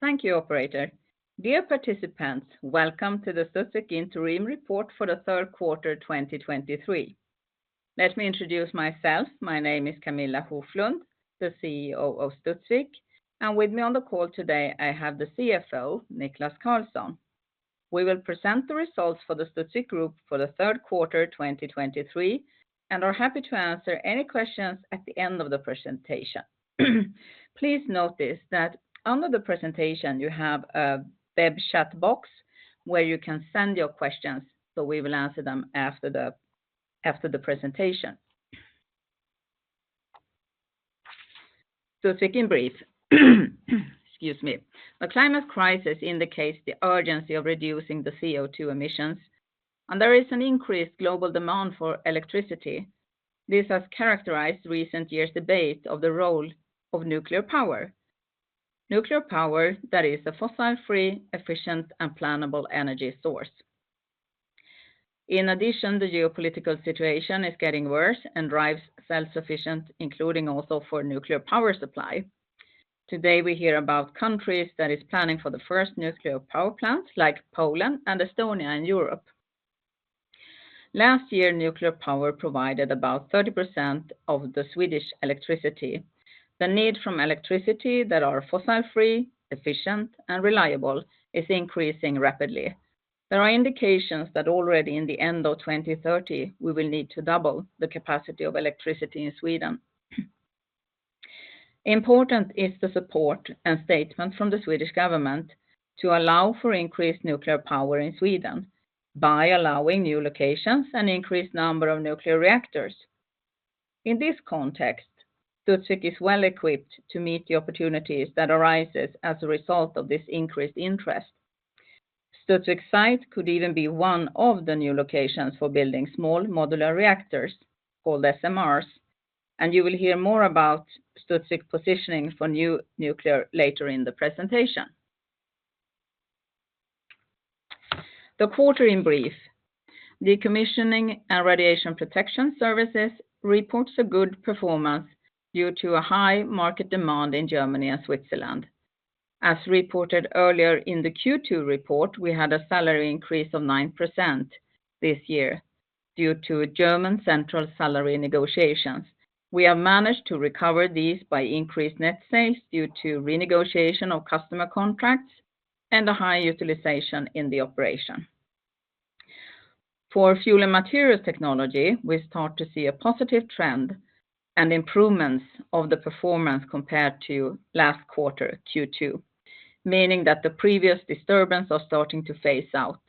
Thank you, operator. Dear participants, welcome to the Studsvik Interim Report for the third quarter 2023. Let me introduce myself. My name is Camilla Hoflund, the CEO of Studsvik, and with me on the call today, I have the CFO, Niklas Karlsson. We will present the results for the Studsvik Group for the third quarter 2023 and are happy to answer any questions at the end of the presentation. Please notice that under the presentation, you have a web chat box where you can send your questions, so we will answer them after the presentation. Studsvik in brief. Excuse me. The climate crisis indicates the urgency of reducing the CO2 emissions, and there is an increased global demand for electricity. This has characterized recent years' debate of the role of nuclear power. Nuclear power, that is a fossil-free, efficient, and plannable energy source. In addition, the geopolitical situation is getting worse and drives self-sufficient, including also for nuclear power supply. Today, we hear about countries that is planning for the first nuclear power plants, like Poland and Estonia in Europe. Last year, nuclear power provided about 30% of the Swedish electricity. The need from electricity that are fossil-free, efficient, and reliable is increasing rapidly. There are indications that already in the end of 2030, we will need to double the capacity of electricity in Sweden. Important is the support and statement from the Swedish government to allow for increased nuclear power in Sweden by allowing new locations and increased number of nuclear reactors. In this context, Studsvik is well equipped to meet the opportunities that arises as a result of this increased interest. Studsvik site could even be one of the new locations for building small modular reactors, called SMRs, and you will hear more about Studsvik positioning for new nuclear later in the presentation. The quarter in brief. Decommissioning and Radiation Protection Services reports a good performance due to a high market demand in Germany and Switzerland. As reported earlier in the Q2 report, we had a salary increase of 9% this year due to German central salary negotiations. We have managed to recover these by increased net sales due to renegotiation of customer contracts and a high utilization in the operation. For Fuel and Materials Technology, we start to see a positive trend and improvements of the performance compared to last quarter, Q2, meaning that the previous disturbance are starting to phase out.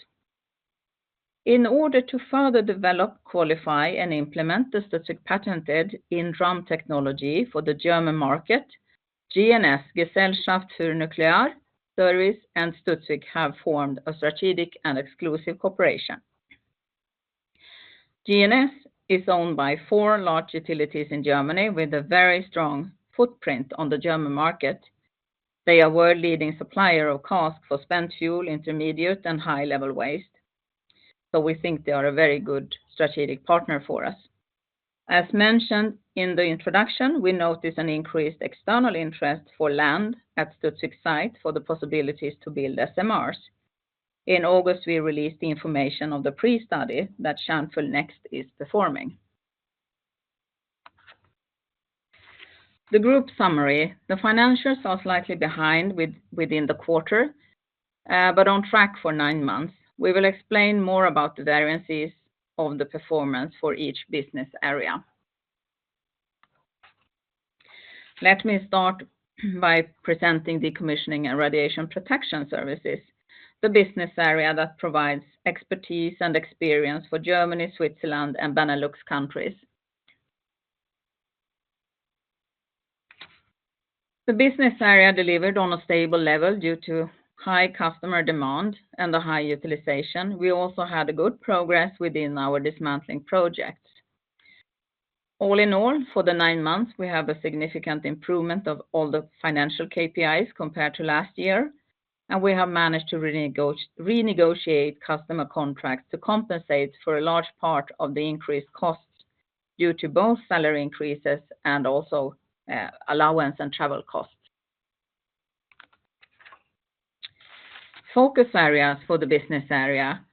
In order to further develop, qualify, and implement the Studsvik patented inDRUM technology for the German market, GNS Gesellschaft für Nuklear-Service and Studsvik have formed a strategic and exclusive cooperation. GNS is owned by four large utilities in Germany with a very strong footprint on the German market. They are a world-leading supplier of cask for spent fuel, intermediate, and high-level waste so, we think they are a very good strategic partner for us. As mentioned in the introduction, we notice an increased external interest for land at Studsvik site for the possibilities to build SMRs. In August, we released the information of the pre-study that Kärnfull Next is performing. The group summary. The financials are slightly behind within the quarter but on track for nine months. We will explain more about the variances of the performance for each business area. Let me start by presenting Decommissioning and Radiation Protection Services, the business area that provides expertise and experience for Germany, Switzerland, and Benelux countries. The business area delivered on a stable level due to high customer demand and the high utilization. We also had a good progress within our dismantling projects. All in all, for the nine months, we have a significant improvement of all the financial KPIs compared to last year, and we have managed to renegotiate customer contracts to compensate for a large part of the increased costs due to both salary increases and also allowance and travel costs. Focus areas for the business area.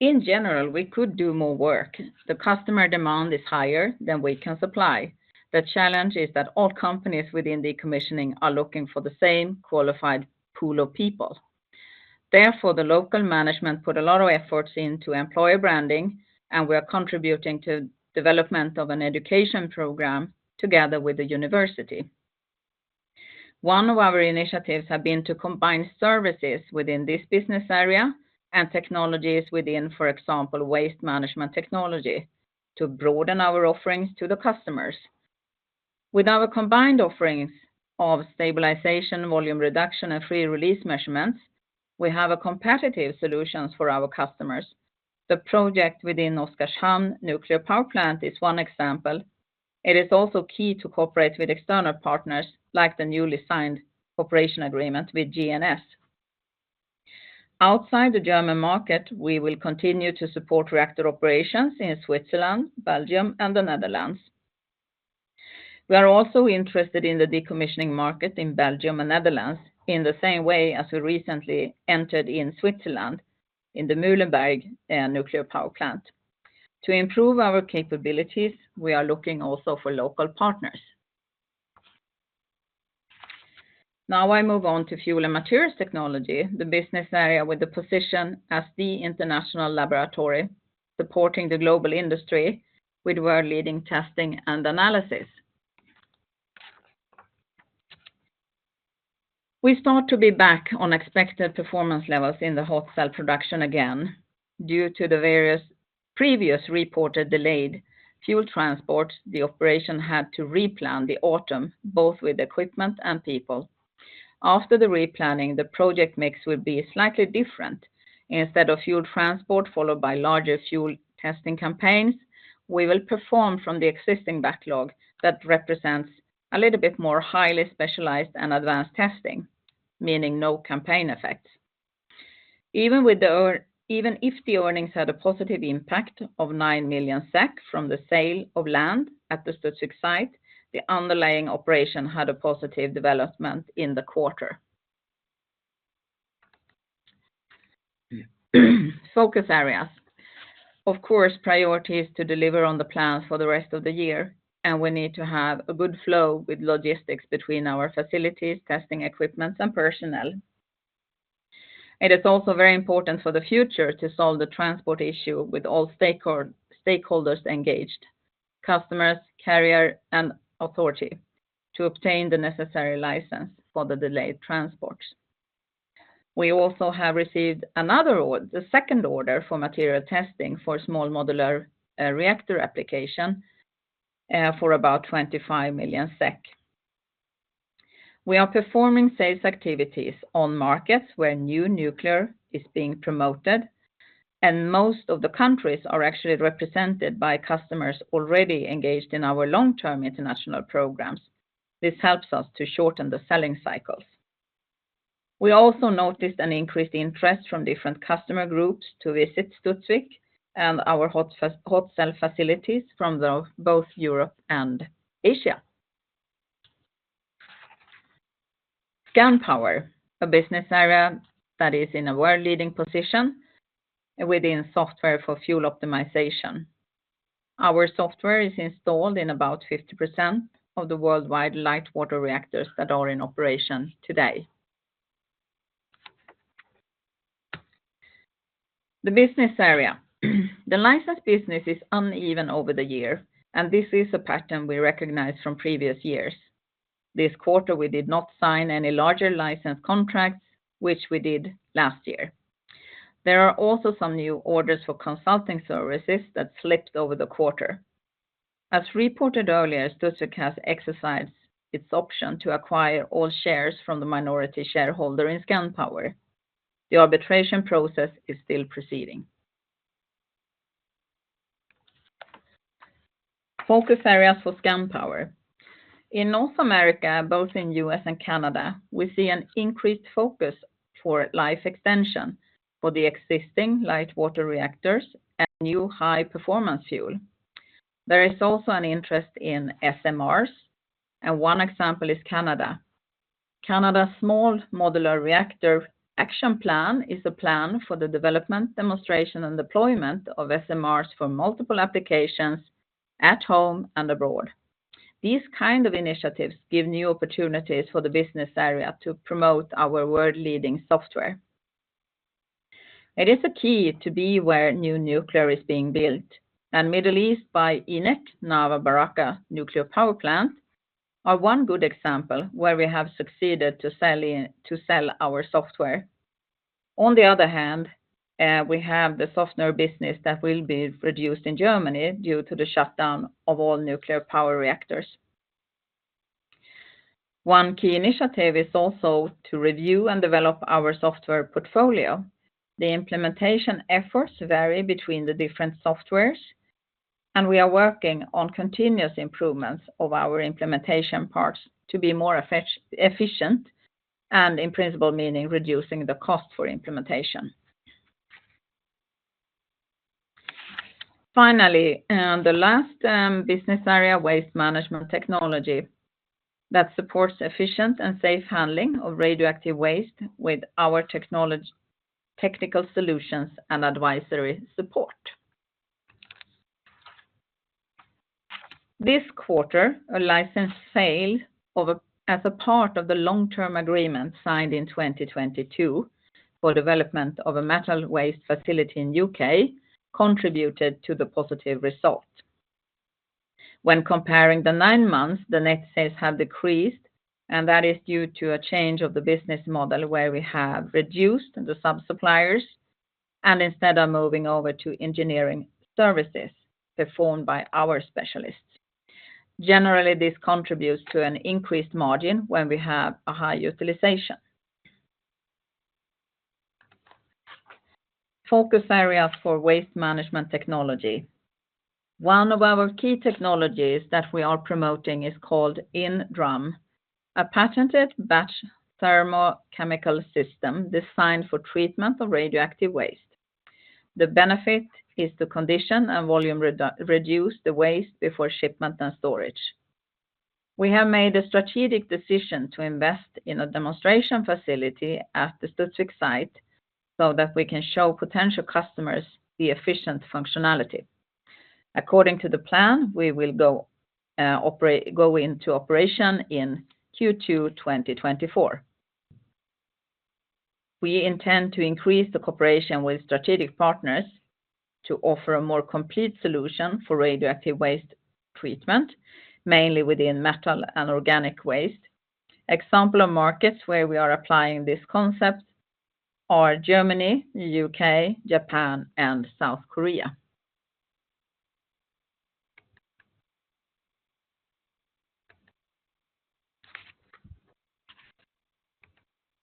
In general, we could do more work. The customer demand is higher than we can supply. The challenge is that all companies within decommissioning are looking for the same qualified pool of people. Therefore, the local management put a lot of efforts into employer branding, and we are contributing to development of an education program together with the university. One of our initiatives have been to combine services within this business area and technologies within, for example, Waste Management Technology, to broaden our offerings to the customers. With our combined offerings of stabilization, volume reduction, and free release measurements, we have a competitive solutions for our customers. The project within Oskarshamn Nuclear Power Plant is one example. It is also key to cooperate with external partners, like the newly signed cooperation agreement with GNS. Outside the German market, we will continue to support reactor operations in Switzerland, Belgium, and the Netherlands. We are also interested in the decommissioning market in Belgium and Netherlands, in the same way as we recently entered in Switzerland, in the Mühleberg Nuclear Power Plant. To improve our capabilities, we are looking also for local partners. Now I move on to Fuel and Materials Technology, the business area with the position as the international laboratory, supporting the global industry with world-leading testing and analysis. We start to be back on expected performance levels in the hot cell production again. Due to the various previous reported delayed fuel transport, the operation had to replan the autumn, both with equipment and people. After the replanning, the project mix will be slightly different. Instead of fuel transport, followed by larger fuel testing campaigns, we will perform from the existing backlog that represents a little bit more highly specialized and advanced testing, meaning no campaign effects. Even if the earnings had a positive impact of 9 million SEK from the sale of land at the Studsvik site, the underlying operation had a positive development in the quarter. Focus areas. Of course, priority is to deliver on the plan for the rest of the year, and we need to have a good flow with logistics between our facilities, testing equipment, and personnel. It is also very important for the future to solve the transport issue with all stakeholders engaged, customers, carrier, and authority, to obtain the necessary license for the delayed transports. We also have received another order, the second order for material testing for small modular reactor application for about 25 million SEK. We are performing sales activities on markets where new nuclear is being promoted, and most of the countries are actually represented by customers already engaged in our long-term international programs. This helps us to shorten the selling cycles. We also noticed an increased interest from different customer groups to visit Studsvik and our hot cell facilities from both Europe and Asia. Scandpower, a business area that is in a world-leading position within software for fuel optimization. Our software is installed in about 50% of the worldwide light water reactors that are in operation today. The business area. The license business is uneven over the year, and this is a pattern we recognize from previous years. This quarter, we did not sign any larger license contracts, which we did last year. There are also some new orders for consulting services that slipped over the quarter. As reported earlier, Studsvik has exercised its option to acquire all shares from the minority shareholder in Scandpower. The arbitration process is still proceeding. Focus areas for Scandpower. In North America, both in U.S. and Canada, we see an increased focus for life extension for the existing light water reactors and new high-performance fuel. There is also an interest in SMRs, and one example is Canada. Canada Small Modular Reactor Action Plan is a plan for the development, demonstration, and deployment of SMRs for multiple applications at home and abroad. These kinds of initiatives give new opportunities for the business area to promote our world-leading software. It is a key to be where new nuclear is being built, and Middle East by ENEC, Barakah Nuclear Power Plant, are one good example where we have succeeded to sell in, to sell our software. On the other hand, we have the software business that will be reduced in Germany due to the shutdown of all nuclear power reactors. One key initiative is also to review and develop our software portfolio. The implementation efforts vary between the different softwares, and we are working on continuous improvements of our implementation parts to be more efficient and, in principle, meaning reducing the cost for implementation. Finally, the last business area, Waste Management Technology, that supports efficient and safe handling of radioactive waste with our technical solutions and advisory support. This quarter, a license sale as a part of the long-term agreement signed in 2022 for development of a metal waste facility in U.K. contributed to the positive result. When comparing the nine months, the net sales have decreased, and that is due to a change of the business model, where we have reduced the sub-suppliers and instead are moving over to engineering services performed by our specialists. Generally, this contributes to an increased margin when we have a high utilization. Focus areas for Waste Management Technology. One of our key technologies that we are promoting is called inDRUM, a patented batch thermochemical system designed for treatment of radioactive waste. The benefit is to condition, and volume reduce the waste before shipment and storage. We have made a strategic decision to invest in a demonstration facility at the Studsvik site, so that we can show potential customers the efficient functionality. According to the plan, we will go into operation in Q2 2024. We intend to increase the cooperation with strategic partners to offer a more complete solution for radioactive waste treatment, mainly within metal and organic waste. Example of markets where we are applying this concept are Germany, U.K., Japan, and South Korea.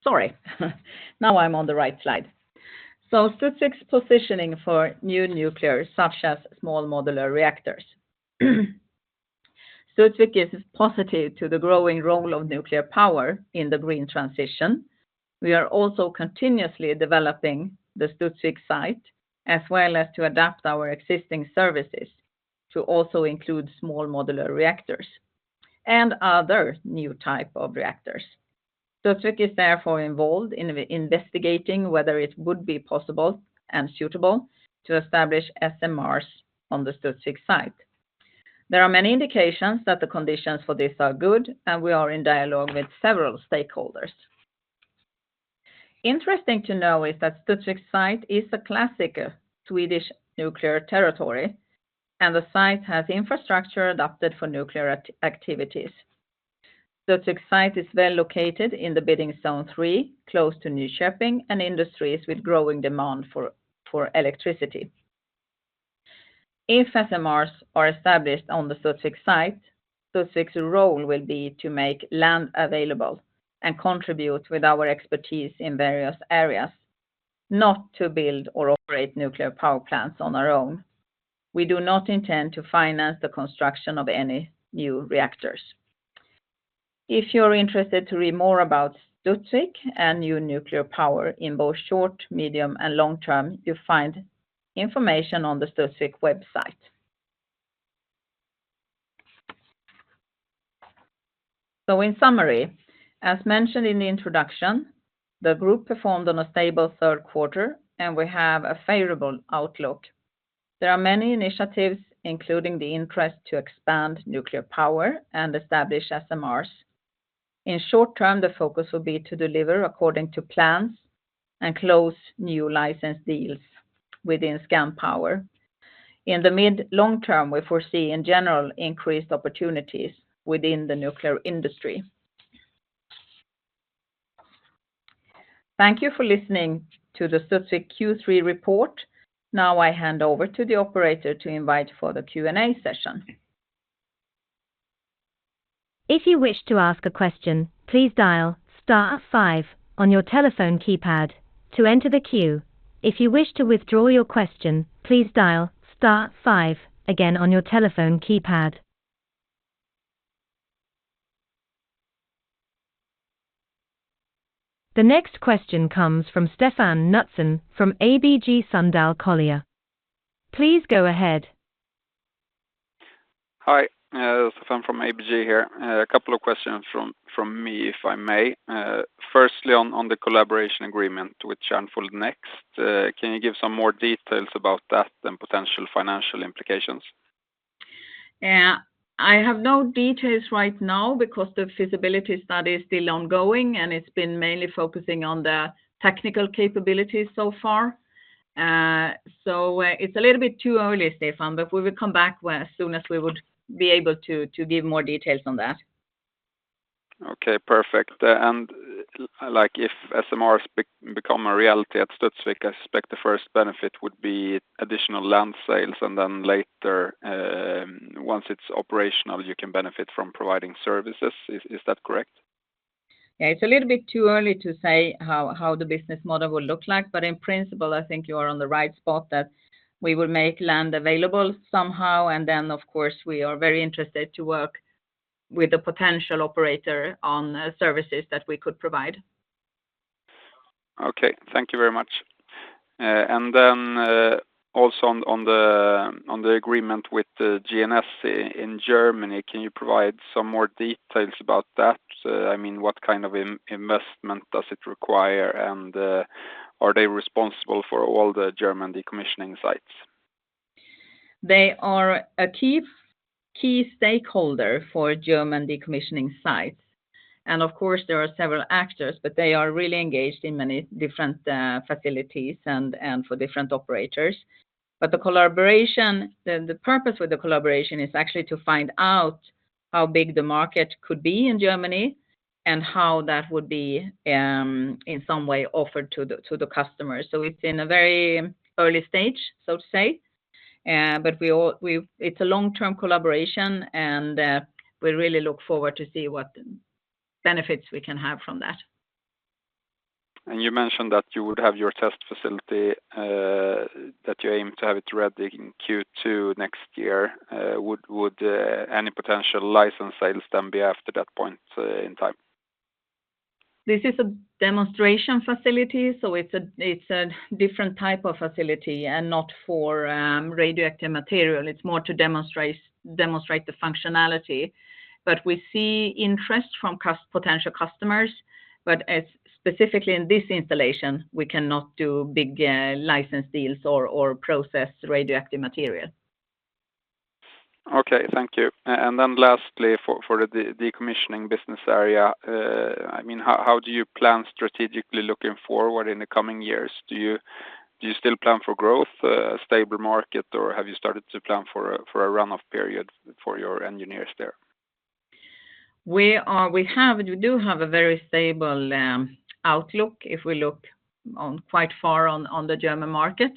Sorry, now I'm on the right slide. Studsvik's positioning for new nuclear, such as small modular reactors. Studsvik is positive to the growing role of nuclear power in the green transition. We are also continuously developing the Studsvik site, as well as to adapt our existing services to also include small modular reactors and other new type of reactors. Studsvik is therefore involved in investigating whether it would be possible and suitable to establish SMRs on the Studsvik site. There are many indications that the conditions for this are good, and we are in dialogue with several stakeholders. Interesting to know is that Studsvik site is a classic Swedish nuclear territory, and the site has infrastructure adapted for nuclear activities. Studsvik site is well located in the bidding zone three, close to Nyköping and industries with growing demand for electricity. If SMRs are established on the Studsvik site, Studsvik's role will be to make land available and contribute with our expertise in various areas, not to build or operate nuclear power plants on our own. We do not intend to finance the construction of any new reactors. If you're interested to read more about Studsvik and new nuclear power in both short, medium, and long term, you'll find information on the Studsvik website. In summary, as mentioned in the introduction, the group performed on a stable third quarter, and we have a favorable outlook. There are many initiatives, including the interest to expand nuclear power and establish SMRs. In short term, the focus will be to deliver according to plans and close new license deals within Scandpower. In the mid long term, we foresee, in general, increased opportunities within the nuclear industry. Thank you for listening to the Studsvik Q3 report. Now, I hand over to the operator to invite for the Q&A session. If you wish to ask a question, please dial star five on your telephone keypad to enter the queue. If you wish to withdraw your question, please dial star five again on your telephone keypad. The next question comes from Stefan Knutsson from ABG Sundal Collier. Please go ahead. Hi, Stefan from ABG here. A couple of questions from me, if I may. Firstly, on the collaboration agreement with Kärnfull Next, can you give some more details about that and potential financial implications? I have no details right now because the feasibility study is still ongoing, and it's been mainly focusing on the technical capabilities so far. It's a little bit too early, Stefan, but we will come back as soon as we would be able to give more details on that. Okay, perfect. Like if SMRs become a reality at Studsvik, I expect the first benefit would be additional land sales, and then later, once it's operational, you can benefit from providing services. Is that correct? Yeah. It's a little bit too early to say how the business model will look like, but in principle, I think you are on the right spot, that we will make land available somehow, and then, of course, we are very interested to work with the potential operator on services that we could provide. Okay, thank you very much. Also on the agreement with the GNS in Germany, can you provide some more details about that? I mean, what kind of investment does it require, and are they responsible for all the German decommissioning sites? They are a key, key stakeholder for German decommissioning sites, and of course, there are several actors, but they are really engaged in many different facilities and for different operators. The purpose of the collaboration is actually to find out how big the market could be in Germany and how that would be in some way offered to the customers. It's in a very early stage, so to say. It's a long-term collaboration, and we really look forward to see what the benefits we can have from that. You mentioned that you would have your test facility that you aim to have it ready in Q2 next year. Would any potential license sales then be after that point in time? This is a demonstration facility, so it's a different type of facility and not for radioactive material. It's more to demonstrate the functionality. We see interest from potential customers, but specifically in this installation, we cannot do big license deals or process radioactive material. Okay, thank you. Lastly, for the Decommissioning business area, I mean, how do you plan strategically looking forward in the coming years? Do you still plan for growth, stable market, or have you started to plan for a runoff period for your engineers there? We have; we do have a very stable outlook if we look on quite far on the German market.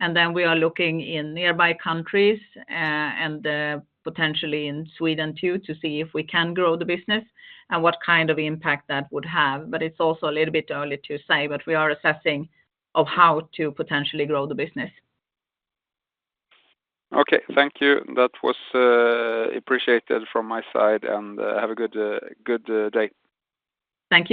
We are looking in nearby countries and potentially in Sweden, too, to see if we can grow the business and what kind of impact that would have. It's also a little bit early to say, but we are assessing of how to potentially grow the business. Okay, thank you. That was appreciated from my side, and have a good day. Thank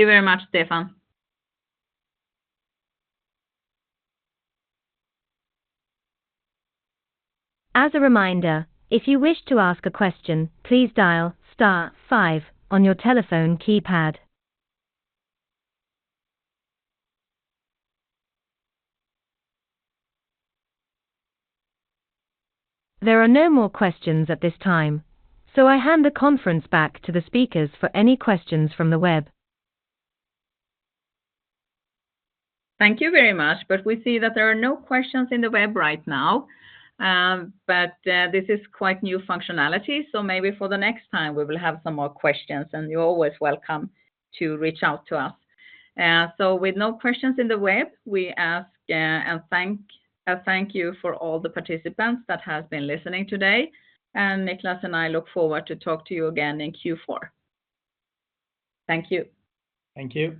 you very much, Stefan. As a reminder, if you wish to ask a question, please dial star five on your telephone keypad. There are no more questions at this time, so I hand the conference back to the speakers for any questions from the web. Thank you very much, but we see that there are no questions in the web right now. This is quite new functionality, so maybe for the next time, we will have some more questions, and you're always welcome to reach out to us. With no questions in the web, we thank you for all the participants that have been listening today. Niklas and I look forward to talk to you again in Q4. Thank you. Thank you.